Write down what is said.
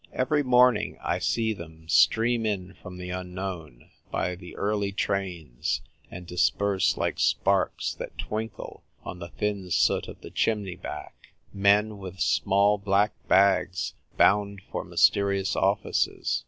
Every morning I see them stream in from the Unknown, by the early trains, and disperse like sparks that twinkle on the thin soot of the chimney back — men with small black bags, bound for mysterious offices.